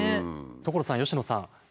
所さん佳乃さん。